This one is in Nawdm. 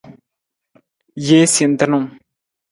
Jee sentunung.